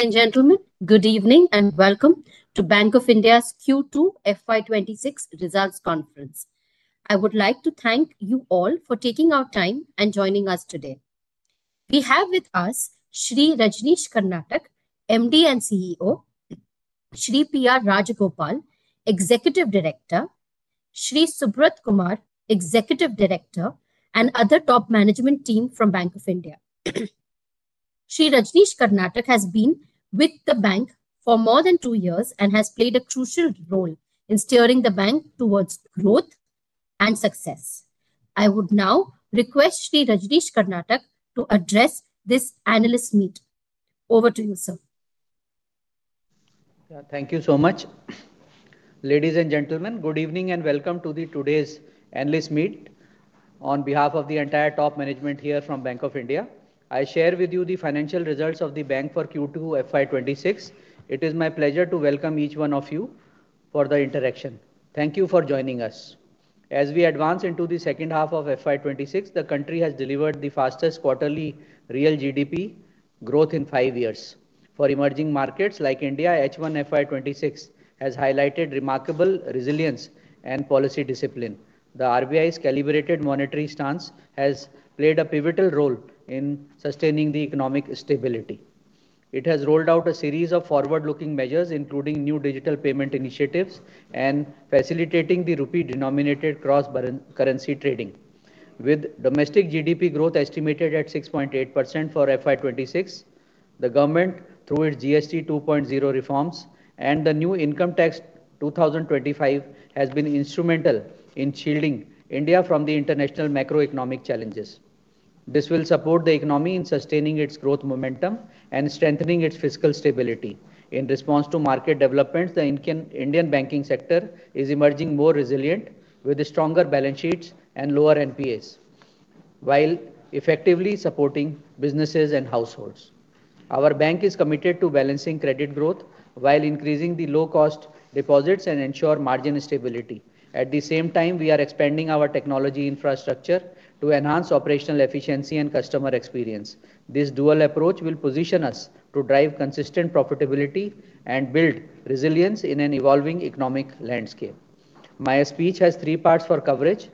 Ladies and gentlemen, good evening and welcome to Bank of India's Q2 FY26 results conference. I would like to thank you all for taking our time and joining us today. We have with us Shri Rajneesh Karnatak, Managing Director and CEO, Shri P. R. Rajagopal, Executive Director, Shri Subrat Kumar, Executive Director, and other top management team from Bank of India. Shri Rajneesh Karnatak has been with the bank for more than two years and has played a crucial role in steering the bank towards growth and success. I would now request Shri Rajneesh Karnatak to address this analyst meet. Over to you, sir. Thank you so much. Ladies and gentlemen, good evening and welcome to today's analyst meet. On behalf of the entire top management here from Bank of India, I share with you the financial results of the bank for Q2 FY26. It is my pleasure to welcome each one of you for the interaction. Thank you for joining us. As we advance into the second half of FY26, the country has delivered the fastest quarterly real GDP growth in five years. For emerging markets like India, H1 FY26 has highlighted remarkable resilience and policy discipline. The RBI's calibrated monetary stance has played a pivotal role in sustaining the economic stability. It has rolled out a series of forward-looking measures, including new digital payment initiatives and facilitating the rupee-denominated cross-currency trading. With domestic GDP growth estimated at 6.8% for FY26, the government, through its GST 2.0 reforms and the new Income Tax 2025, has been instrumental in shielding India from the international macroeconomic challenges. This will support the economy in sustaining its growth momentum and strengthening its fiscal stability. In response to market developments, the Indian banking sector is emerging more resilient, with stronger balance sheets and lower NPAs, while effectively supporting businesses and households. Our bank is committed to balancing credit growth while increasing the low-cost deposits and ensuring margin stability. At the same time, we are expanding our technology infrastructure to enhance operational efficiency and customer experience. This dual approach will position us to drive consistent profitability and build resilience in an evolving economic landscape. My speech has three parts for coverage: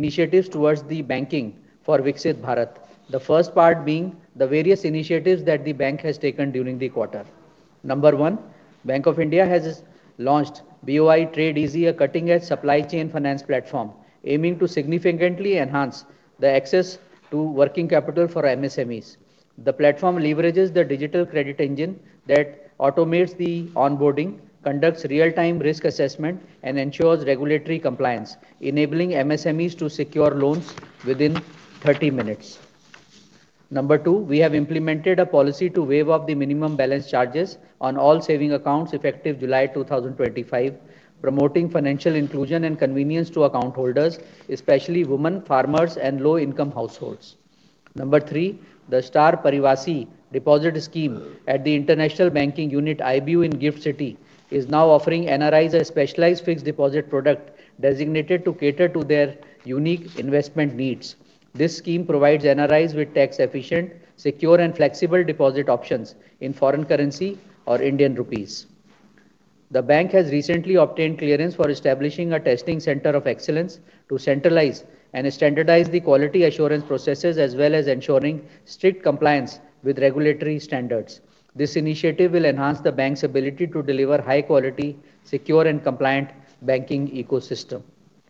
initiatives towards the banking for a more diverse and inclusive world. The first part being the various initiatives that the bank has taken during the quarter. Number one, Bank of India has launched BOI Trade Easy, a cutting-edge supply chain finance platform, aiming to significantly enhance the access to working capital for MSMEs. The platform leverages the digital credit engine that automates the onboarding, conducts real-time risk assessment, and ensures regulatory compliance, enabling MSMEs to secure loans within 30 minutes. Number two, we have implemented a policy to waive off the minimum balance charges on all savings accounts effective July 2025, promoting financial inclusion and convenience to account holders, especially women, farmers, and low-income households. Number three, the Star Parivasi Deposit Scheme at the International Banking Unit (IBU) in GIFT City is now offering NRIs a specialized fixed deposit product designed to cater to their unique investment needs. This scheme provides NRIs with tax-efficient, secure, and flexible deposit options in foreign currency or Indian rupees. The bank has recently obtained clearance for establishing a testing center of excellence to centralize and standardize the quality assurance processes, as well as ensuring strict compliance with regulatory standards. This initiative will enhance the bank's ability to deliver a high-quality, secure, and compliant banking ecosystem.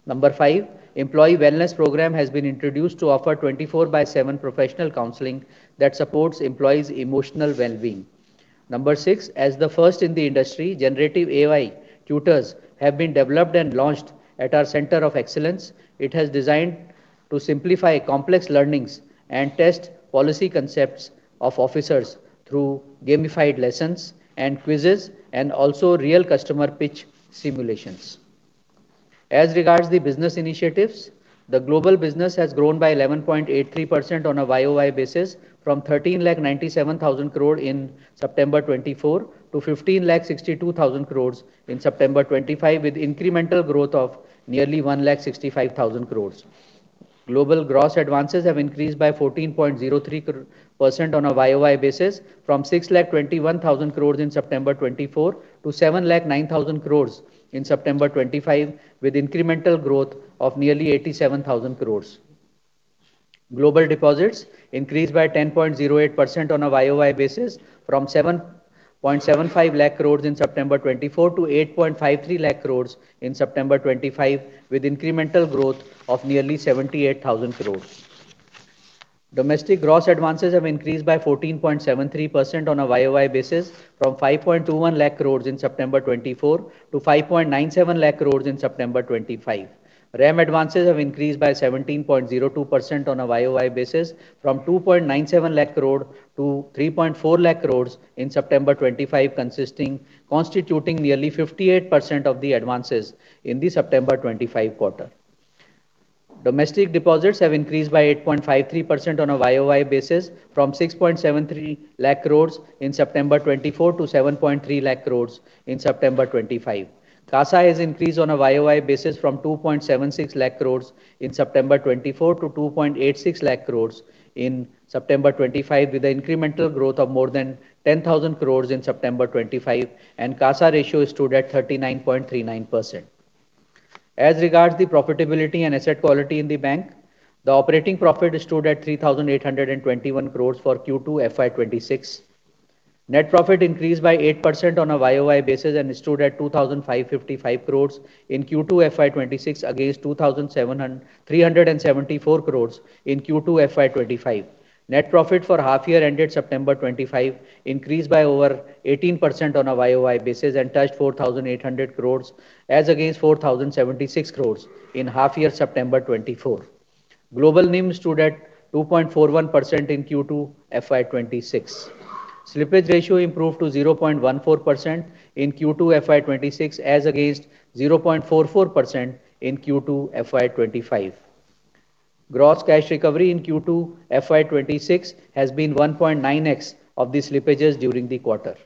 Number five, the Employee Wellness Program has been introduced to offer 24/7 professional counseling that supports employees' emotional well-being. Number six, as the first in the industry, generative AI tutors have been developed and launched at our center of excellence. It has been designed to simplify complex learnings and test policy concepts of officers through gamified lessons and quizzes, and also real customer pitch simulations. As regards the business initiatives, the global business has grown by 11.83% on a YOY basis, from 13,097 billion in September 2024 to 15,062 billion in September 2025, with incremental growth of nearly 1,065 billion. Global gross advances have increased by 14.03% on a YOY basis, from 6,021 billion in September 2024 to 7,009 billion in September 2025, with incremental growth of nearly 87 billion. Global deposits increased by 10.08% on a YOY basis, from 7.75 trillion in September 2024 to 8.53 trillion in September 2025, with incremental growth of nearly 78 billion. Domestic gross advances have increased by 14.73% on a YOY basis, from 5.21 trillion in September 2024 to 5.97 trillion in September 2025. RAM advances have increased by 17.02% on a YOY basis, from 2.97 trillion to 3.4 trillion in September 2025, constituting nearly 58% of the advances in the September 2025 quarter. Domestic deposits have increased by 8.53% on a YOY basis, from 6.73 trillion in September 2024 to 7.3 trillion in September 2025. CASA has increased on a YOY basis from 2.76 trillion in September 2024 to 2.86 trillion in September 2025, with an incremental growth of more than 10 billion in September 2025, and CASA ratio stood at 39.39%. As regards the profitability and asset quality in the bank, the operating profit stood at 3.821 billion for Q2 FY26. Net profit increased by 8% on a YOY basis and stood at 2,555 crore in Q2 FY26, against 2,374 crore in Q2 FY25. Net profit for half-year ended September 2025 increased by over 18% on a YOY basis and touched 4,800 crore, as against 4,076 crore in half-year September 2024. Global NIM stood at 2.41% in Q2 FY26. Slippage ratio improved to 0.14% in Q2 FY26, as against 0.44% in Q2 FY25. Gross cash recovery in Q2 FY26 has been 1.9X of the slippages during the quarter.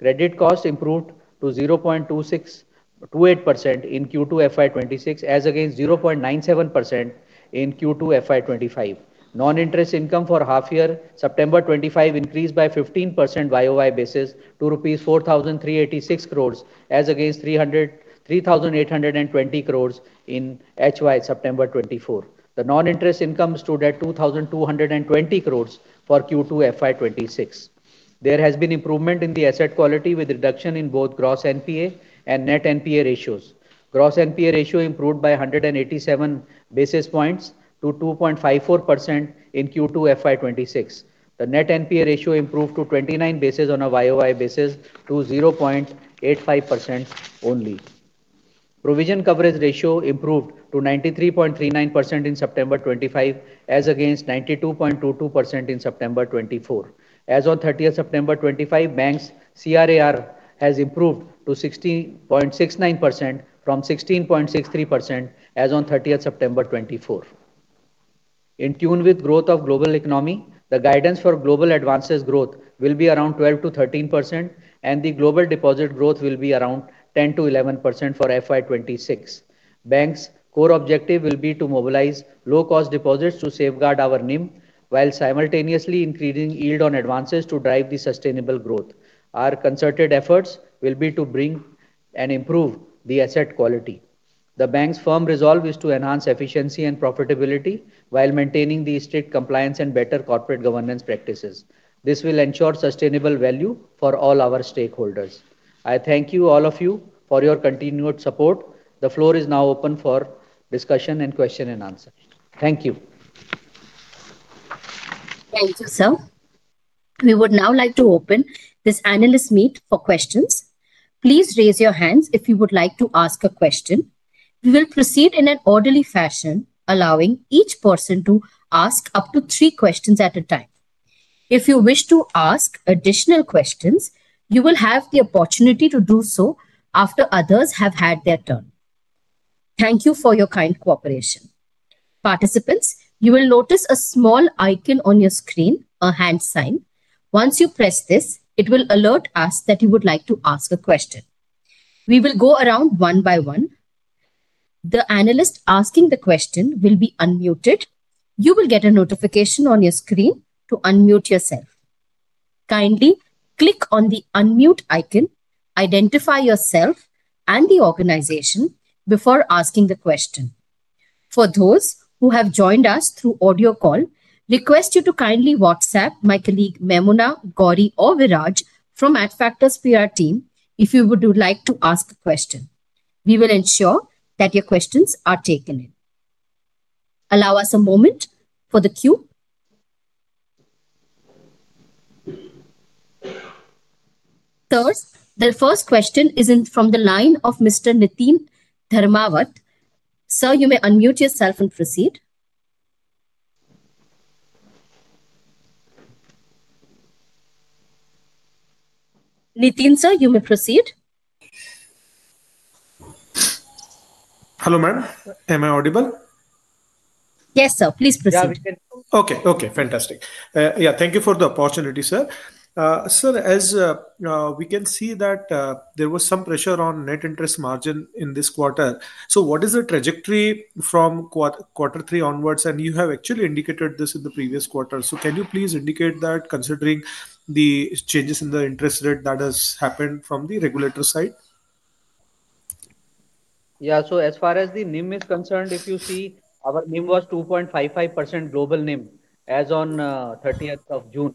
Credit cost improved to 0.28% in Q2 FY26, as against 0.97% in Q2 FY25. Non-interest income for half-year September 2025 increased by 15% YOY basis to 4,386 crore rupees, as against 3,820 crore in HY September 2024. The non-interest income stood at 2,220 crore for Q2 FY26. There has been improvement in the asset quality with reduction in both gross NPA and net NPA ratios. Gross NPA ratio improved by 187 basis points to 2.54% in Q2 FY26. The net NPA ratio improved to 29 basis points on a YOY basis to 0.85% only. Provision coverage ratio improved to 93.39% in September 2025, as against 92.22% in September 2024. As on 30 September 2025, bank's CRAR has improved to 16.69% from 16.63% as on 30 September 2024. In tune with growth of global economy, the guidance for global advances growth will be around 12 to 13%, and the global deposit growth will be around 10 to 11% for FY26. Bank's core objective will be to mobilize low-cost deposits to safeguard our NIM, while simultaneously increasing yield on advances to drive the sustainable growth. Our concerted efforts will be to bring and improve the asset quality. The bank's firm resolve is to enhance efficiency and profitability while maintaining the strict compliance and better corporate governance practices. This will ensure sustainable value for all our stakeholders. I thank you, all of you, for your continued support. The floor is now open for discussion and question and answer. Thank you. Thank you, sir. We would now like to open this analyst meet for questions. Please raise your hands if you would like to ask a question. We will proceed in an orderly fashion, allowing each person to ask up to three questions at a time. If you wish to ask additional questions, you will have the opportunity to do so after others have had their turn. Thank you for your kind cooperation. Participants, you will notice a small icon on your screen, a hand sign. Once you press this, it will alert us that you would like to ask a question. We will go around one by one. The analyst asking the question will be unmuted. You will get a notification on your screen to unmute yourself. Kindly click on the unmute icon, identify yourself and the organization before asking the question. For those who have joined us through audio call, request you to kindly WhatsApp my colleague Memuna, Gauri, or Viraj from the @Factors PR team if you would like to ask a question. We will ensure that your questions are taken in. Allow us a moment for the queue. Sir, the first question is from the line of Mr. Nitin Gosar. Sir, you may unmute yourself and proceed. Nitin, sir, you may proceed. Hello, ma'am. Am I audible? Yes, sir. Please proceed. Okay, okay, fantastic. Thank you for the opportunity, sir. Sir, as we can see that there was some pressure on net interest margin in this quarter. What is the trajectory from quarter three onwards? You have actually indicated this in the previous quarter. Can you please indicate that considering the changes in the interest rate that has happened from the regulator's side? Yeah, as far as the NIM is concerned, if you see, our NIM was 2.55% global NIM as on June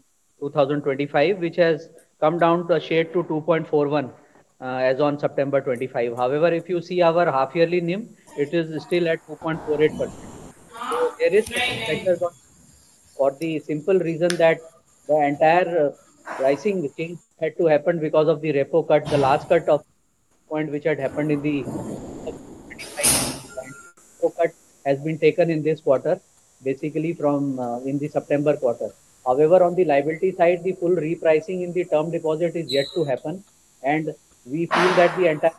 30, 2025, which has come down to 2.41% as on September 25. However, if you see our half-yearly NIM, it is still at 2.48%. There is a pressure for the simple reason that the entire pricing change had to happen because of the repo cut. The last cut of point which had happened in the repo cut has been taken in this quarter, basically in the September quarter. However, on the liability side, the full repricing in the term deposit is yet to happen. We feel that the entire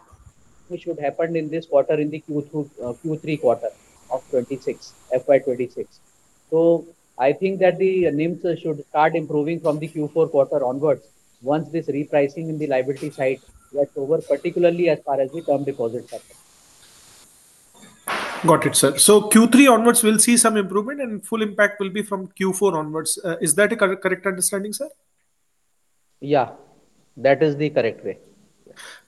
repricing should happen in this quarter, in the Q3 quarter of FY26. I think that the NIM should start improving from the Q4 quarter onwards once this repricing on the liability side gets over, particularly as far as the term deposits happen. Got it, sir. Q3 onwards we'll see some improvement and full impact will be from Q4 onwards. Is that a correct understanding, sir? Yeah, that is the correct way.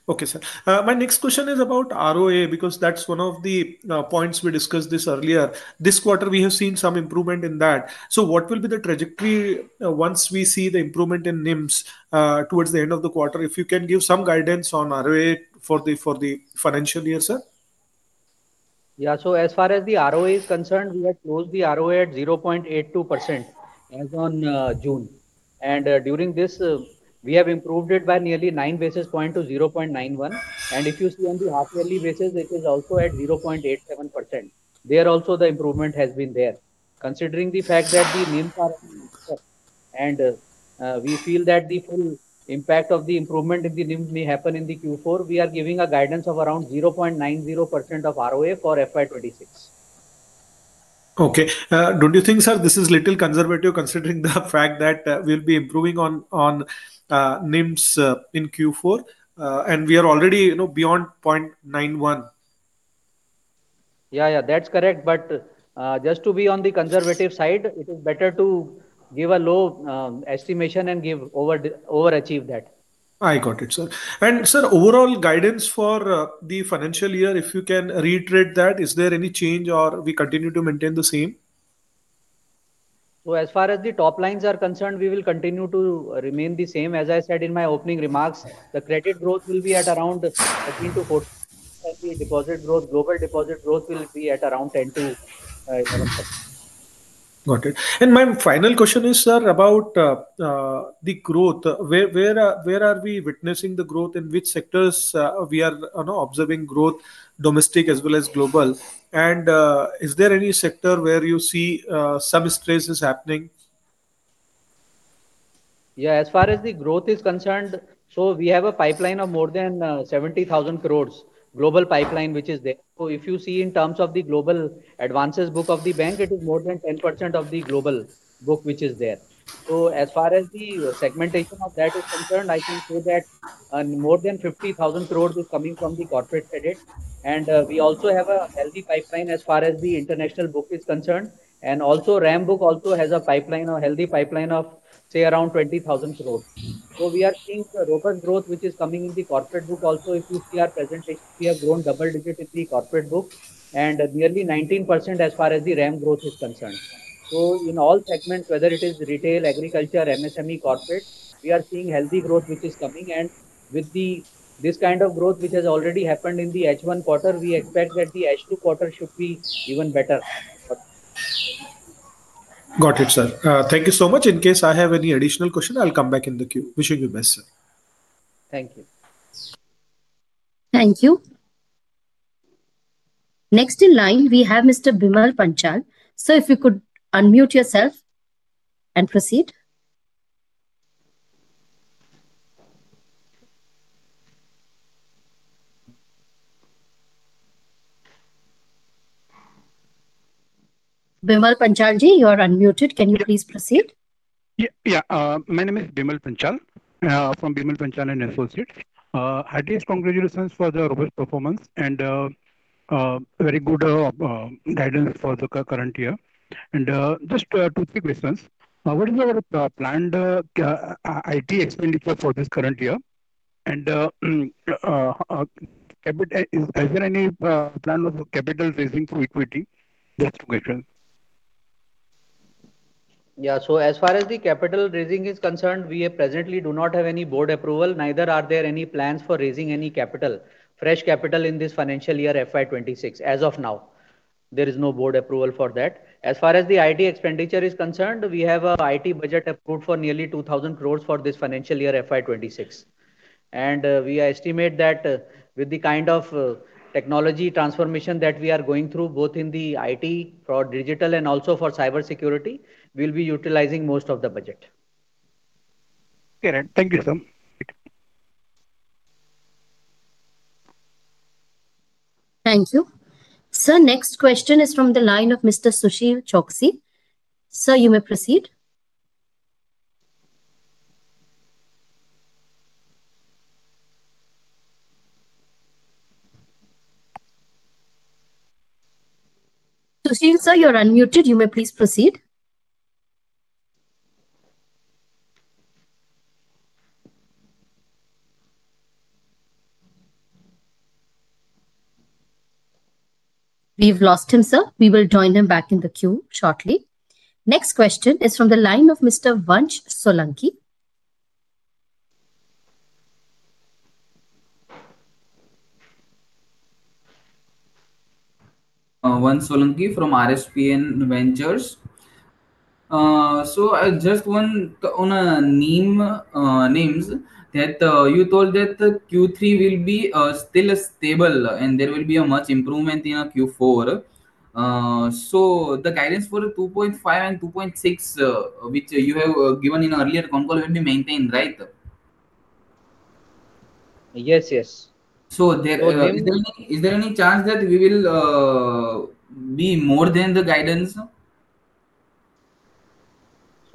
Okay, sir. My next question is about ROA because that's one of the points we discussed earlier. This quarter we have seen some improvement in that. What will be the trajectory once we see the improvement in NIMs towards the end of the quarter? If you can give some guidance on ROA for the financial year, sir. Yeah, as far as the ROA is concerned, we have closed the ROA at 0.82% as on June. During this, we have improved it by nearly 9 basis points to 0.91%. If you see on the half-yearly basis, it is also at 0.87%. There also the improvement has been there. Considering the fact that the NIMs are, and we feel that the full impact of the improvement in the NIM may happen in Q4, we are giving a guidance of around 0.90% of ROA for FY26. Okay. Don't you think, sir, this is a little conservative considering the fact that we'll be improving on NIMs in Q4 and we are already beyond 0.91%? Yeah, that's correct. Just to be on the conservative side, it is better to give a low estimation and overachieve that. I got it, sir. Sir, overall guidance for the financial year, if you can reiterate that, is there any change or we continue to maintain the same? As far as the top lines are concerned, we will continue to remain the same. As I said in my opening remarks, the credit growth will be at around 13 to 14%. The global deposit growth will be at around 10 to 11%. Got it. My final question is, sir, about the growth. Where are we witnessing the growth, in which sectors we are observing growth, domestic as well as global? Is there any sector where you see some stress is happening? Yeah, as far as the growth is concerned, we have a pipeline of more than 70,000 crore, global pipeline which is there. If you see in terms of the global advances book of the bank, it is more than 10% of the global book which is there. As far as the segmentation of that is concerned, I can say that more than 50,000 crore is coming from the corporate credit. We also have a healthy pipeline as far as the international book is concerned. The RAM book also has a healthy pipeline of say around 20,000 crore. We are seeing robust growth which is coming in the corporate book also. If you see our presentation, we have grown double digit in the corporate book and nearly 19% as far as the RAM growth is concerned. In all segments, whether it is retail, agriculture, MSME, or corporate, we are seeing healthy growth which is coming. With this kind of growth which has already happened in the H1 quarter, we expect that the H2 quarter should be even better. Got it, sir. Thank you so much. In case I have any additional questions, I'll come back in the queue. Wishing you best, sir. Thank you. Thank you. Next in line, we have Mr. Bimal Panchal. Sir, if you could unmute yourself and proceed. Bimal Panchal Ji, you are unmuted. Can you please proceed? Yeah, my name is Bimal Panchal from Bimal Panchal & Associates. Highly congratulations for the robust performance and very good guidance for the current year. Just two quick questions. What is the planned IT expenditure for this current year? Is there any plan of capital raising through equity? Just two questions. Yeah, as far as the capital raising is concerned, we presently do not have any board approval. Neither are there any plans for raising any capital, fresh capital in this financial year 2026. As of now, there is no board approval for that. As far as the IT expenditure is concerned, we have an IT budget approved for nearly 2,000 crore for this financial year 2026. We estimate that with the kind of technology transformation that we are going through, both in the IT for digital and also for cybersecurity, we'll be utilizing most of the budget. Thank you, sir. Thank you. Sir, next question is from the line of Mr. Sushil Choksi. Sir, you may proceed. Sushil, sir, you're unmuted. You may please proceed. We've lost him, sir. We will join him back in the queue shortly. Next question is from the line of Mr. Vansh Solanki. Vansh Solanki from RSPN Ventures. Just one on NIM, NIMs, that you told that Q3 will be still stable and there will be a much improvement in Q4. The guidance for 2.5 and 2.6, which you have given in an earlier phone call, will be maintained, right? Yes, yes. Is there any chance that we will be more than the guidance?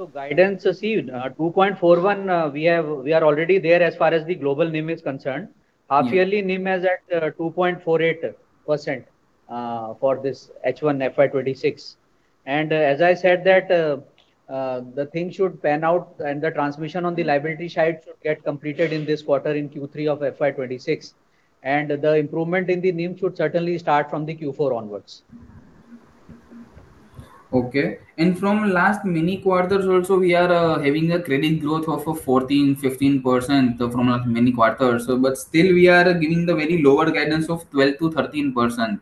Guidance received 2.41, we are already there as far as the global NIM is concerned. Half-yearly NIM is at 2.48% for this H1 FY26. As I said, the thing should pan out and the transmission on the liability side should get completed in this quarter in Q3 of FY26. The improvement in the NIM should certainly start from the Q4 onwards. Okay. From last many quarters also, we are having a credit growth of 14, 15% from last many quarters. Still, we are giving the very lower guidance of 12 to 13%,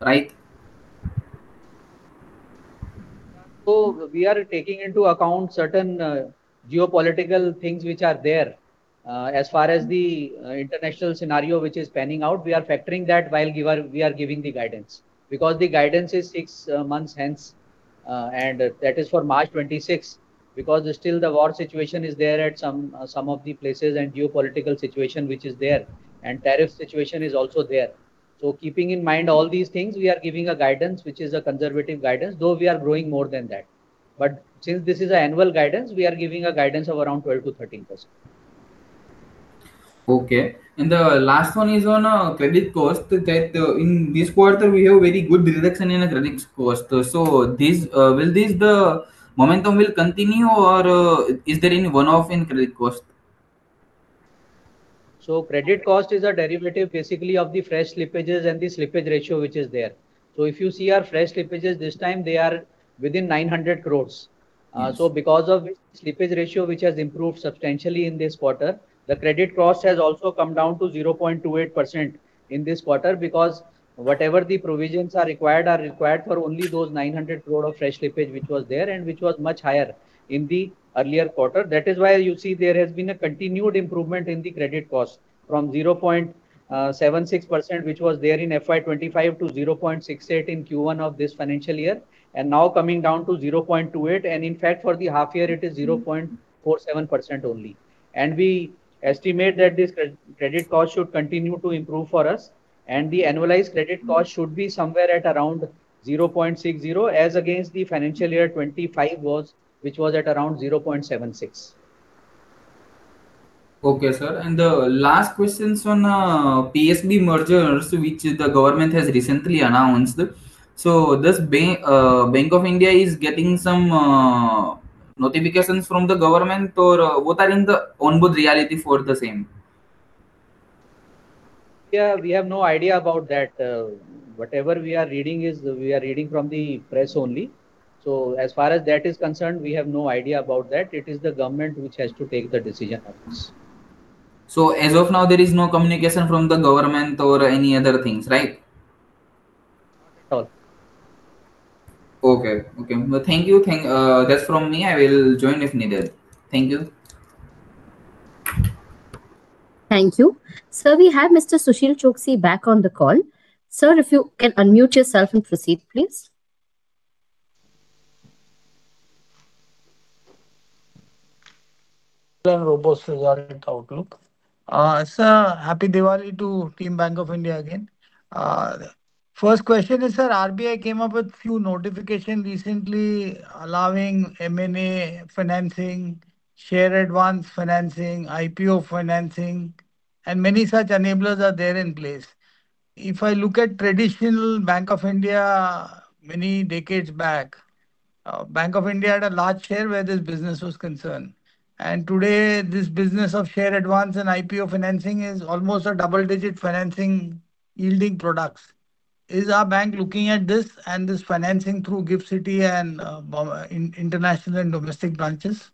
right? We are taking into account certain geopolitical things which are there. As far as the international scenario which is panning out, we are factoring that while we are giving the guidance. Because the guidance is six months hence, and that is for March 2026, because still the war situation is there at some of the places and geopolitical situation which is there. The tariff situation is also there. Keeping in mind all these things, we are giving a guidance which is a conservative guidance, though we are growing more than that. Since this is an annual guidance, we are giving a guidance of around 12 to 13%. Okay. The last one is on credit cost. In this quarter, we have a very good reduction in the credit cost. Will this momentum continue or is there any one-off in credit cost? Credit cost is a derivative basically of the fresh slippages and the slippage ratio which is there. If you see our fresh slippages this time, they are within 900 crore. Because of the slippage ratio which has improved substantially in this quarter, the credit cost has also come down to 0.28% in this quarter, because whatever the provisions are required are required for only those 900 crore of fresh slippage which was there and which was much higher in the earlier quarter. That is why you see there has been a continued improvement in the credit cost from 0.76% which was there in FY2025 to 0.68% in Q1 of this financial year, and now coming down to 0.28%. In fact, for the half year, it is 0.47% only. We estimate that this credit cost should continue to improve for us. The annualized credit cost should be somewhere at around 0.60% as against the financial year 2025, which was at around 0.76%. Okay, sir. The last question is on PSB mergers which the government has recently announced. Is Bank of India getting some notifications from the government or what are in the onboard reality for the same? We have no idea about that. Whatever we are reading is we are reading from the press only. As far as that is concerned, we have no idea about that. It is the government which has to take the decision. As of now, there is no communication from the government or any other things, right? Not at all. Okay, okay. Thank you. That's from me. I will join if needed. Thank you. Thank you. Sir, we have Mr. Sushil Choksi back on the call. Sir, if you can unmute yourself and proceed, please. Robust regarding the outlook. Sir, happy Diwali to Team Bank of India again. First question is, sir, RBI came up with a few notifications recently allowing M&A financing, share advance financing, IPO financing, and many such enablers are there in place. If I look at traditional Bank of India many decades back, Bank of India had a large share where this business was concerned. Today, this business of share advance and IPO financing is almost a double-digit financing yielding products. Is our bank looking at this and this financing through GIFT City and international and domestic branches?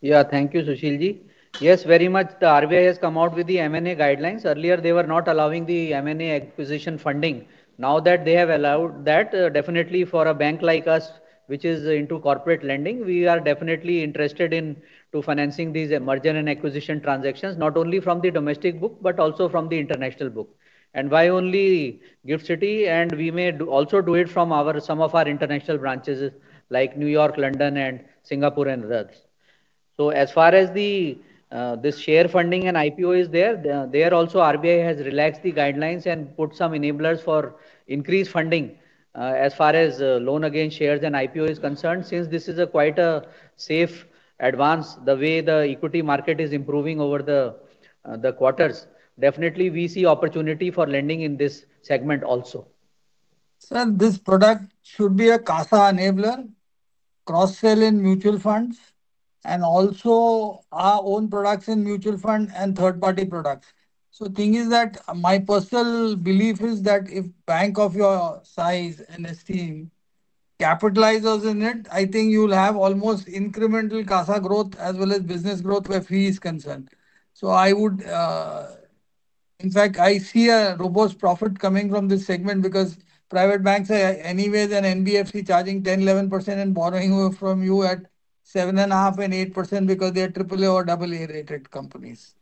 Yeah, thank you, Sushil Ji. Yes, very much. The RBI has come out with the M&A guidelines. Earlier, they were not allowing the M&A acquisition funding. Now that they have allowed that, definitely for a bank like us, which is into corporate lending, we are definitely interested in financing these merger and acquisition transactions, not only from the domestic book, but also from the international book. Why only GIFT City? We may also do it from some of our international branches like New York, London, and Singapore, and others. As far as this share funding and IPO is there, there also RBI has relaxed the guidelines and put some enablers for increased funding as far as loan against shares and IPO is concerned. Since this is quite a safe advance, the way the equity market is improving over the quarters, definitely we see opportunity for lending in this segment also. Sir, this product should be a CASA enabler, cross-sell in mutual funds, and also our own products in mutual fund and third-party products. My personal belief is that if a bank of your size and esteem capitalizes on it, I think you'll have almost incremental CASA growth as well as business growth where fee is concerned. I would, in fact, I see a robust profit coming from this segment because private banks are anyways an NBFC charging 10%, 11% and borrowing from you at 7.5% and 8.0% because they are AAA or AAA rated companies.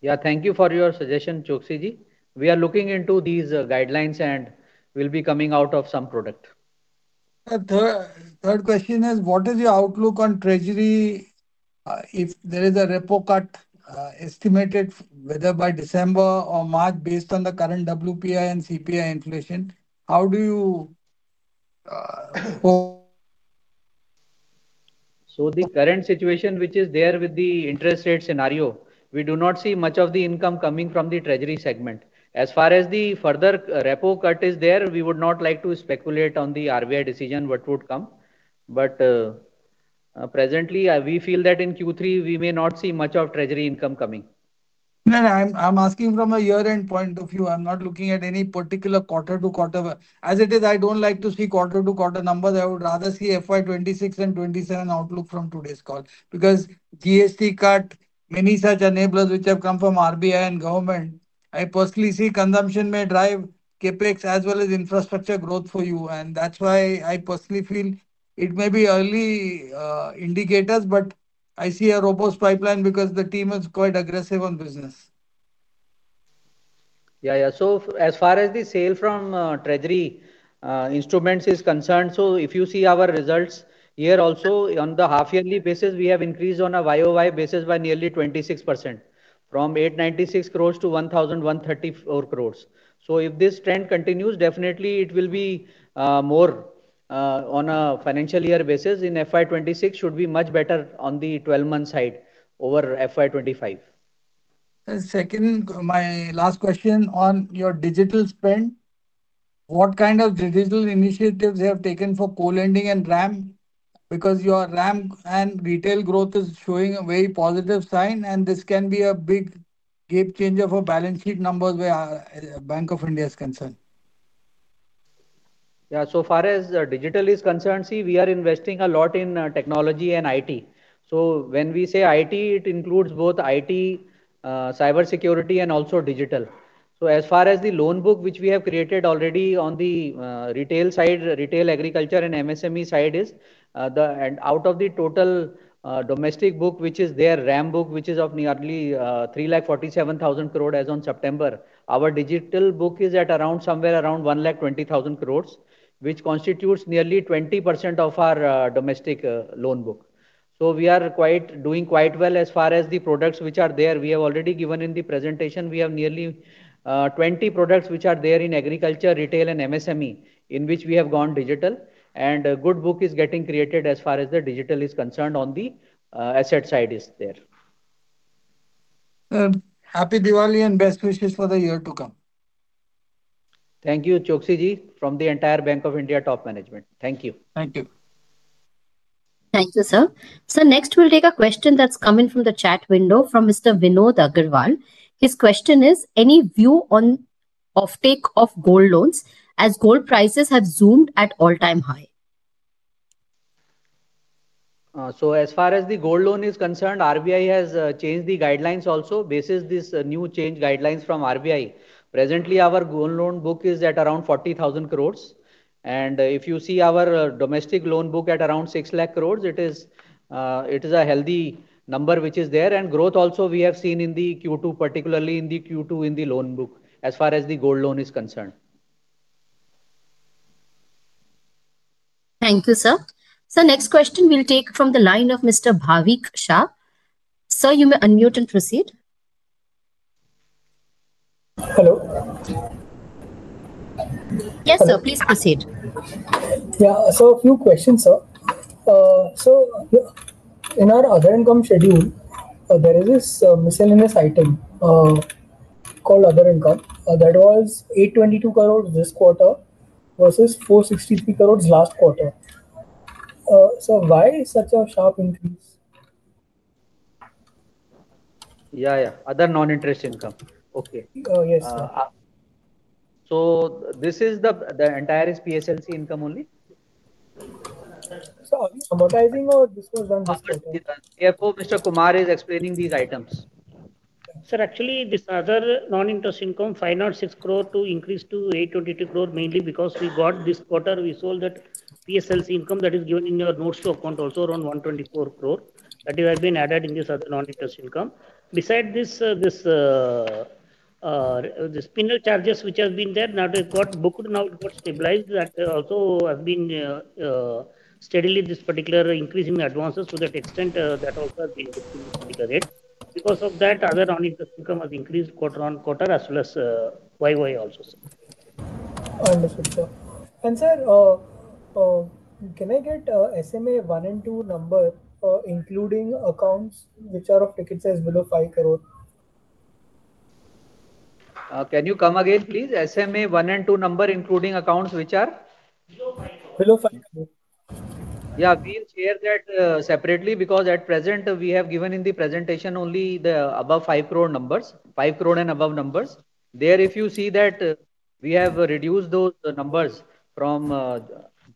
Yeah, thank you for your suggestion, Choksi Ji. We are looking into these guidelines, and we'll be coming out with some product. Third question is, what is your outlook on treasury if there is a repo cut estimated whether by December or March based on the current WPI and CPI inflation? How do you? The current situation which is there with the interest rate scenario, we do not see much of the income coming from the treasury segment. As far as the further repo cut is there, we would not like to speculate on the RBI decision what would come. Presently, we feel that in Q3, we may not see much of treasury income coming. No, I'm asking from a year-end point of view. I'm not looking at any particular quarter to quarter. As it is, I don't like to see quarter to quarter numbers. I would rather see FY 2026 and 2027 outlook from today's call because GST cut, many such enablers which have come from RBI and government, I personally see consumption may drive CapEx as well as infrastructure growth for you. That's why I personally feel it may be early indicators, but I see a robust pipeline because the team is quite aggressive on business. As far as the sale from treasury instruments is concerned, if you see our results here also on the half-yearly basis, we have increased on a year-over-year basis by nearly 26% from 896 crore to 1,134 crore. If this trend continues, definitely it will be more on a financial year basis in FY 2026, should be much better on the 12 months side over FY 2025. Second, my last question on your digital spend, what kind of digital initiatives have taken for co-lending and RAM? Because your RAM and retail growth is showing a very positive sign, and this can be a big game changer for balance sheet numbers where Bank of India is concerned. Yeah, so far as digital is concerned, see, we are investing a lot in technology and IT. When we say IT, it includes both IT, cybersecurity, and also digital. As far as the loan book, which we have created already on the retail side, retail, agriculture, and MSME side, out of the total domestic book, which is their RAM book, which is of nearly 347,000 crore as on September, our digital book is at around somewhere around 120,000 crore, which constitutes nearly 20% of our domestic loan book. We are doing quite well as far as the products which are there. We have already given in the presentation, we have nearly 20 products which are there in agriculture, retail, and MSME, in which we have gone digital. A good book is getting created as far as the digital is concerned on the asset side. Happy Diwali and best wishes for the year to come. Thank you, Choksi Ji, from the entire Bank of India top management. Thank you. Thank you. Thank you, sir. Sir, next we'll take a question that's coming from the chat window from Mr. Vinod Aggarwal. His question is, any view on offtake of gold loans as gold prices have zoomed at all-time high? As far as the gold loan is concerned, RBI has changed the guidelines also. Basis this new change guidelines from RBI, presently, our gold loan book is at around 40,000 crore. If you see our domestic loan book at around 600,000 crore, it is a healthy number which is there. Growth also we have seen in Q2, particularly in Q2 in the loan book as far as the gold loan is concerned. Thank you, sir. Sir, next question we'll take from the line of Mr. Bhavik Shah. Sir, you may unmute and proceed. Hello. Yes, sir, please proceed. Yeah, a few questions, sir. In our other income schedule, there is this miscellaneous item called other income that was 822 crore this quarter versus 463 crore last quarter. Sir, why such a sharp increase? Yeah, other non-interest income. Okay. Yes, sir. Is this the entire PSLC income only? Sorry, am I authorizing or this was done this quarter? Yes, Mr. Kumar is explaining these items. Sir, actually, this other non-interest income, 506 crore, increased to 822 crore mainly because we got this quarter, we sold that PSLC income that is given in your notes to account also, around 124 crore. That has been added in this other non-interest income. Besides this, this spin charges which have been there, now it got stabilized. That also has been steadily this particular increase in advances to that extent that also has been increased in this particular rate. Because of that, other non-interest income has increased quarter on quarter as well as YOY also. Understood, sir. Sir, can I get SMA 1 and 2 number, including accounts which are of ticket size below 5 crore? Can you come again, please? SMA 1 and 2 number, including accounts which are? Below INR 5 crore. Yeah, we'll share that separately because at present, we have given in the presentation only the above 5 crore numbers, 5 crore and above numbers. There, if you see that we have reduced those numbers from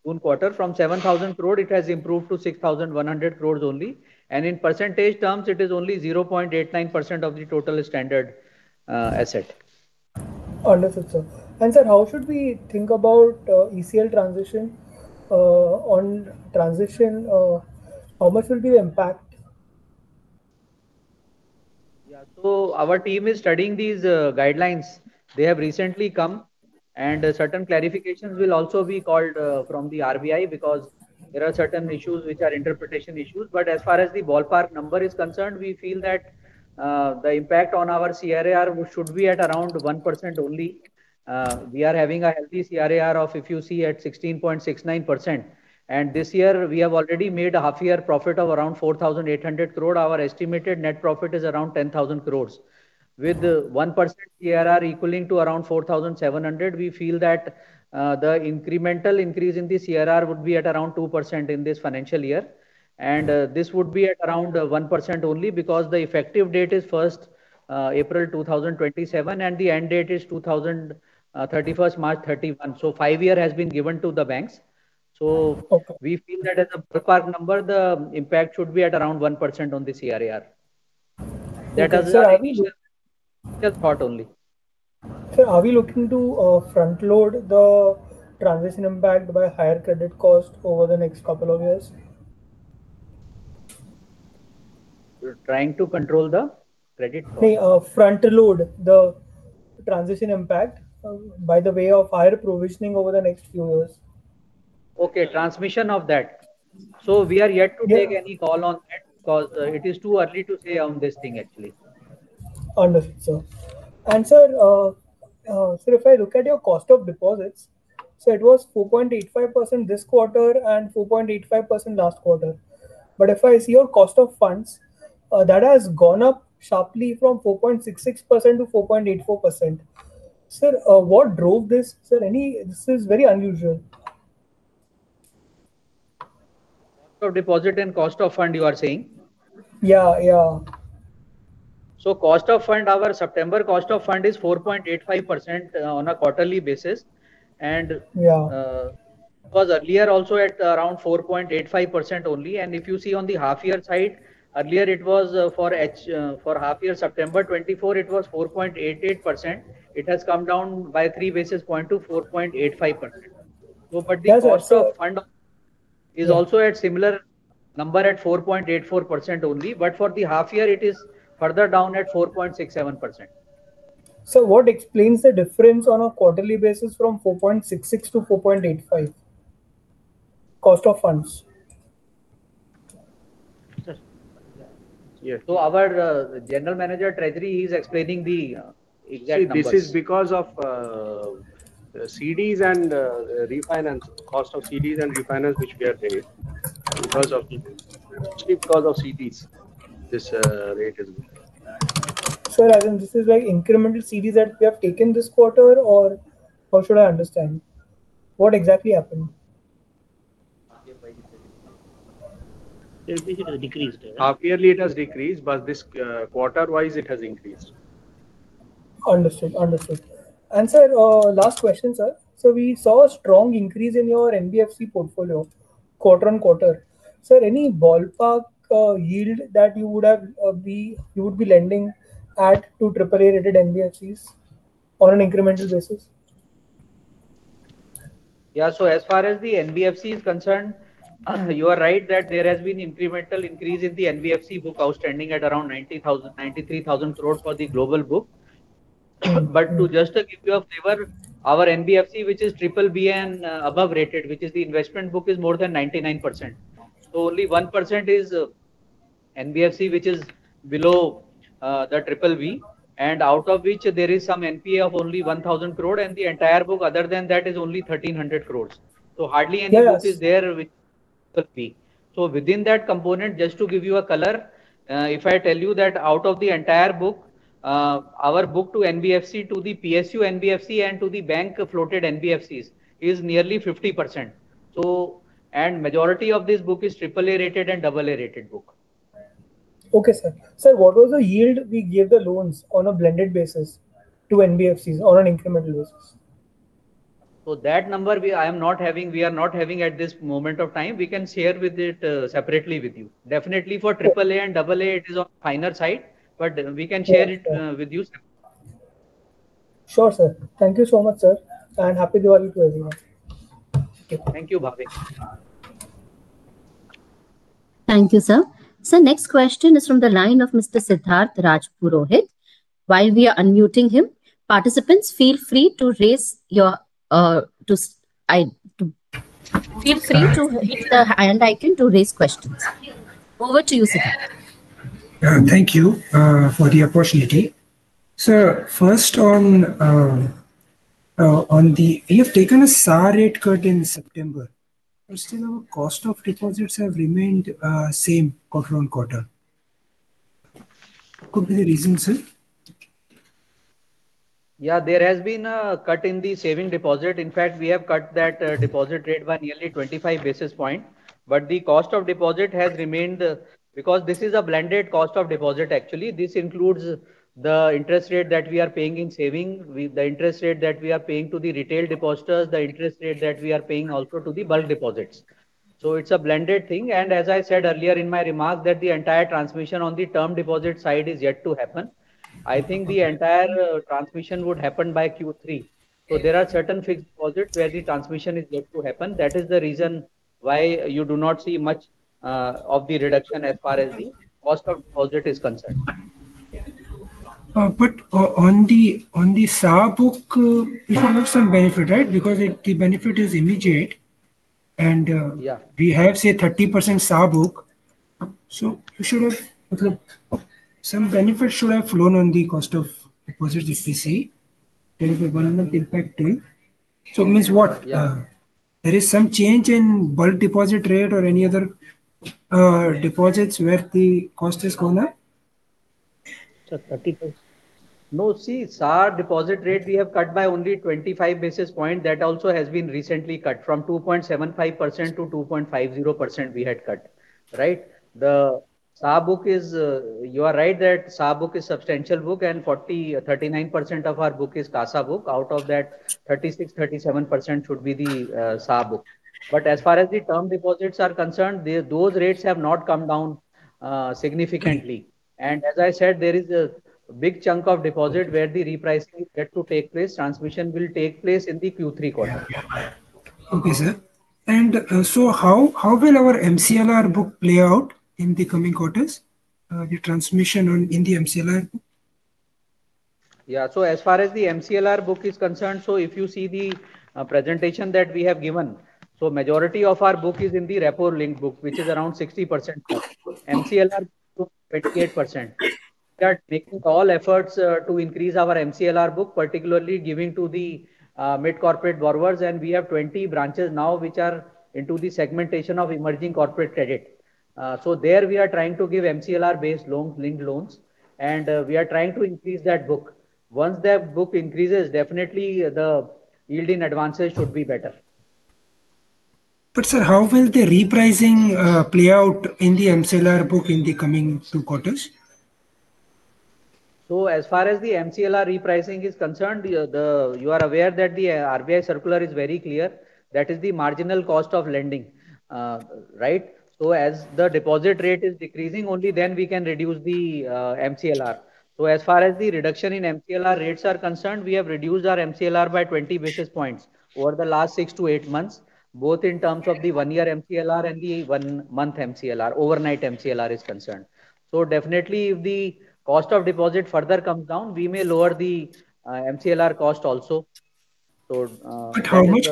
June quarter from 7,000 crore, it has improved to 6,100 crore only. In percentage terms, it is only 0.89% of the total standard asset. Understood, sir. Sir, how should we think about ECL transition on transition? How much will be the impact? Yeah, our team is studying these guidelines. They have recently come, and certain clarifications will also be called from the RBI because there are certain issues which are interpretation issues. As far as the ballpark number is concerned, we feel that the impact on our CRAR should be at around 1% only. We are having a healthy CRAR of, if you see, at 16.69%. This year, we have already made a half-year profit of around 4,800 crore. Our estimated net profit is around 10,000 crore. With 1% CRAR equaling to around 4,700 crore, we feel that the incremental increase in the CRAR would be at around 2% in this financial year. This would be at around 1% only because the effective date is April 1, 2027, and the end date is March 31, 2031. Five years have been given to the banks. We feel that as a ballpark number, the impact should be at around 1% on the CRAR. That is a thought only. Sir, are we looking to front load the transition impact by higher credit cost over the next couple of years? We're trying to control the credit cost. No, front load the transition impact by the way of higher provisioning over the next few years. Okay, transmission of that. We are yet to take any call on that because it is too early to say on this thing, actually. Understood, sir. Sir, if I look at your cost of deposits, it was 4.85% this quarter and 4.85% last quarter. If I see your cost of funds, that has gone up sharply from 4.66% to 4.84%. Sir, what drove this? This is very unusual. Cost of deposit and cost of fund, you are saying? Yeah, yeah. The cost of fund, our September cost of fund is 4.85% on a quarterly basis. It was earlier also at around 4.85% only. If you see on the half-year side, earlier it was for half-year September 2024, it was 4.88%. It has come down by 3 basis points to 4.85%. That's awesome. The cost of fund is also at a similar number at 4.84% only. For the half-year, it is further down at 4.67%. Sir, what explains the difference on a quarterly basis from 4.66% to 4.85% cost of funds? Sir, our General Manager, Treasury, is explaining the exact number. This is because of CDs and refinance cost of CDs and refinance which we are taking. Because of CDs, this rate is good. Sir, is this like incremental CDs that we have taken this quarter, or how should I understand? What exactly happened? Half-yearly, it has decreased, but this quarter-wise, it has increased. Understood, understood. Sir, last question, sir. We saw a strong increase in your NBFC portfolio quarter on quarter. Sir, any ballpark yield that you would be lending at to AAA rated NBFCs on an incremental basis? Yeah, as far as the NBFC is concerned, you are right that there has been incremental increase in the NBFC book outstanding at around 93,000 crore for the global book. To just give you a flavor, our NBFC which is BBB and above rated, which is the investment book, is more than 99%. Only 1% is NBFC which is below the BBB. Out of which there is some NPA of only 1,000 crore, and the entire book other than that is only 1,300 crore. Hardly any book is there which is BBB. Within that component, just to give you a color, if I tell you that out of the entire book, our book to NBFC, to the PSU NBFC, and to the bank floated NBFCs is nearly 50%. The majority of this book is AAA rated and AAA rated book. Okay, sir. Sir, what was the yield we gave the loans on a blended basis to NBFCs on an incremental basis? That number I am not having, we are not having at this moment of time. We can share it separately with you. Definitely for AAA and AAA, it is on a finer side, but we can share it with you separately. Sure, sir. Thank you so much, sir. Happy Diwali to everyone. Thank you, Bhavik. Thank you, sir. Sir, next question is from the line of Mr. Siddharth Rajpurohit. While we are unmuting him, participants, feel free to hit the hand icon to raise questions. Over to you, Siddharth. Thank you for the opportunity. Sir, first, we have taken a SAR rate cut in September, but still, our cost of deposits has remained the same quarter on quarter. Could be the reason, sir? Yeah, there has been a cut in the saving deposit. In fact, we have cut that deposit rate by nearly 25 bps. The cost of deposit has remained because this is a blended cost of deposit, actually. This includes the interest rate that we are paying in saving, the interest rate that we are paying to the retail depositors, the interest rate that we are paying also to the bulk deposits. It's a blended thing. As I said earlier in my remark, the entire transmission on the term deposit side is yet to happen. I think the entire transmission would happen by Q3. There are certain fixed deposits where the transmission is yet to happen. That is the reason why you do not see much of the reduction as far as the cost of deposit is concerned. On the SAR book, we should have some benefit, right? The benefit is immediate, and we have, say, 30% SAR book. You should have, some benefit should have flown on the cost of deposits if we see the environmental impact too. It means what? There is some change in bulk deposit rate or any other deposits where the cost is going up? No, see, SAR deposit rate we have cut by only 25 basis points. That also has been recently cut from 2.75% to 2.50% we had cut, right? The SAR book is, you are right that SAR book is a substantial book, and 39% of our book is CASA book. Out of that, 36%, 37% should be the SAR book. As far as the term deposits are concerned, those rates have not come down significantly. There is a big chunk of deposit where the repricing is yet to take place. Transmission will take place in the Q3 quarter. Okay, sir. How will our MCLR book play out in the coming quarters? The transmission in the MCLR book? Yeah, as far as the MCLR book is concerned, if you see the presentation that we have given, the majority of our book is in the repo link book, which is around 60%. The MCLR book is 28%. We are making all efforts to increase our MCLR book, particularly giving to the mid-corporate borrowers. We have 20 branches now which are into the segmentation of emerging corporate credit. There we are trying to give MCLR-based, linked loans. We are trying to increase that book. Once that book increases, definitely the yield in advances should be better. Sir, how will the repricing play out in the MCLR book in the coming two quarters? As far as the MCLR repricing is concerned, you are aware that the RBI circular is very clear. That is the marginal cost of lending, right? As the deposit rate is decreasing, only then we can reduce the MCLR. As far as the reduction in MCLR rates is concerned, we have reduced our MCLR by 20 basis points over the last six to eight months, both in terms of the one-year MCLR and the one-month MCLR, overnight MCLR is concerned. Definitely, if the cost of deposit further comes down, we may lower the MCLR cost also. How much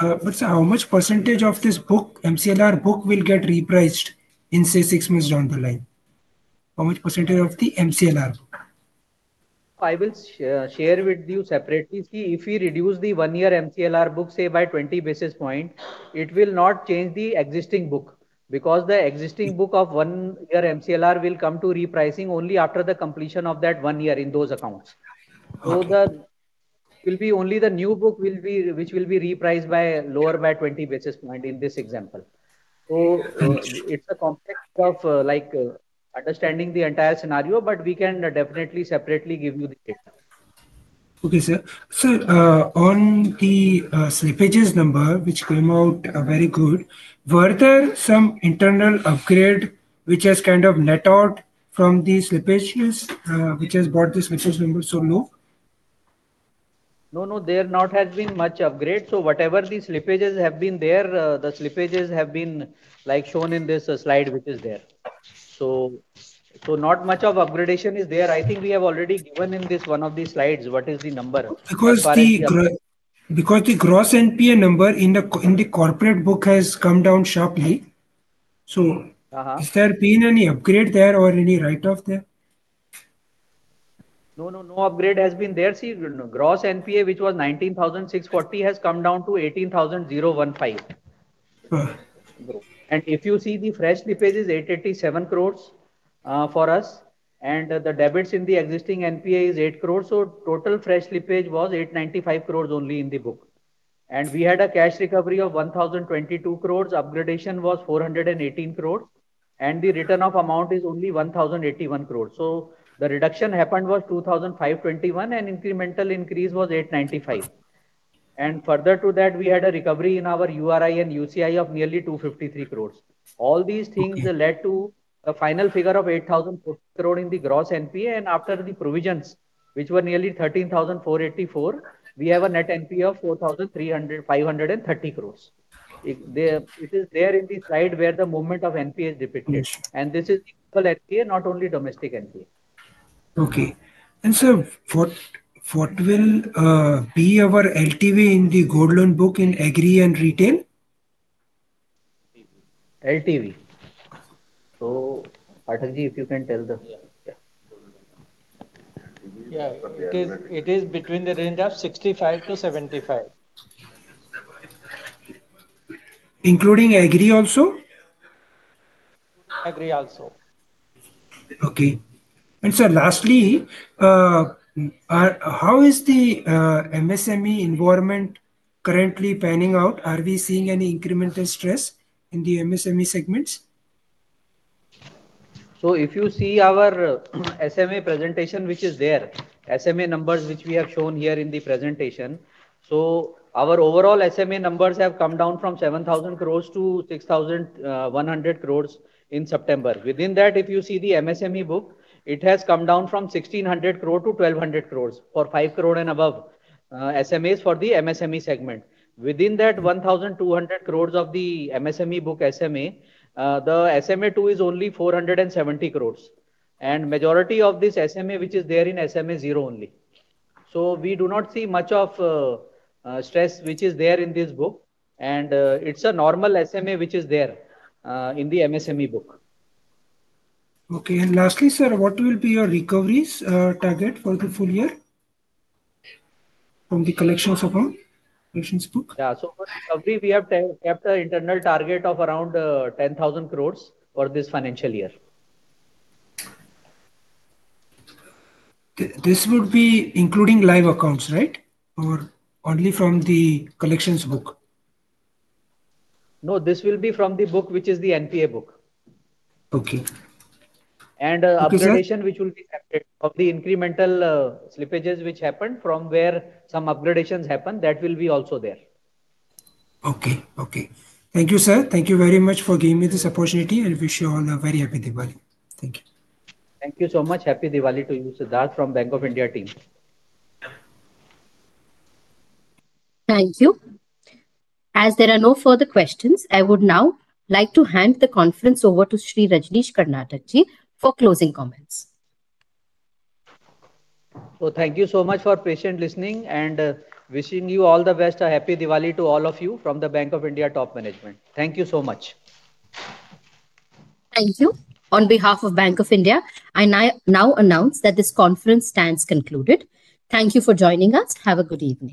% of this book, MCLR book, will get repriced in, say, six months down the line? How much % of the MCLR book? I will share with you separately. See, if we reduce the one-year MCLR book, say, by 20 basis points, it will not change the existing book because the existing book of one-year MCLR will come to repricing only after the completion of that one year in those accounts. It will be only the new book which will be repriced lower by 20 basis points in this example. It is a complex understanding of the entire scenario, but we can definitely separately give you the data. Okay, sir. Sir, on the slippages number, which came out very good, were there some internal upgrade which has kind of net out from the slippages, which has brought the slippage number so low? No, there has not been much upgrade. Whatever the slippages have been, the slippages have been shown in this slide which is there. Not much of upgradation is there. I think we have already given in one of the slides what is the number. Because the gross NPA number in the corporate book has come down sharply. Has there been any upgrade there or any write-off there? No, no upgrade has been there. See, gross NPA, which was 19,640 crore, has come down to 18,015 crore. If you see, the fresh slippage is 887 crore for us, and the debits in the existing NPA is 8 crore. Total fresh slippage was 895 crore only in the book. We had a cash recovery of 1,022 crore. Upgradation was 418 crore, and the return of amount is only 1,081 crore. The reduction happened was 2,521 crore, and incremental increase was 895 crore. Further to that, we had a recovery in our URI and UCI of nearly 253 crore. All these things led to a final figure of 8,040 crore in the gross NPA. After the provisions, which were nearly 13,484 crore, we have a net NPA of 4,530 crore. It is there in the slide where the movement of NPA is depicted. This is the global NPA, not only domestic NPA. Okay. Sir, what will be our LTV in the gold loan book in agri and retail? LTV. Pathak Ji, if you can tell the... Yeah, it is between the range of 65% to 75%. Including agri also? Agri also. Okay. Sir, lastly, how is the MSME environment currently panning out? Are we seeing any incremental stress in the MSME segments? If you see our SME presentation, which is there, SME numbers which we have shown here in the presentation, our overall SME numbers have come down from 7,000 crore to 6,100 crore in September. Within that, if you see the MSME book, it has come down from 1,600 crore to 1,200 crore for 5 crore and above SMEs for the MSME segment. Within that 1,200 crore of the MSME book SME, the SME 2 is only 470 crore. The majority of this SME, which is there, is in SME 0 only. We do not see much of stress, which is there in this book. It's a normal SME, which is there in the MSME book. Okay. Lastly, sir, what will be your recoveries target for the full year from the collections account? Yeah, for recovery, we have kept an internal target of around 10,000 crore for this financial year. This would be including live accounts, right? Or only from the collections book? No, this will be from the book, which is the NPA book. Okay. Upgradation, which will be separate from the incremental slippages, which happened from where some upgradations happened, that will be also there. Okay. Thank you, sir. Thank you very much for giving me this opportunity. I wish you all a very happy Diwali. Thank you. Thank you so much. Happy Diwali to you, Siddharth, from Bank of India team. Thank you. As there are no further questions, I would now like to hand the conference over to Shri Rajneesh Karnatak Ji for closing comments. Thank you so much for patient listening and wishing you all the best. A happy Diwali to all of you from the Bank of India top management. Thank you so much. Thank you. On behalf of Bank of India, I now announce that this conference stands concluded. Thank you for joining us. Have a good evening.